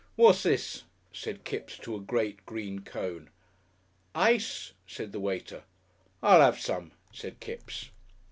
"What's this?" said Kipps to a great green cone. "Ice," said the waiter. "I'll 'ave some," said Kipps.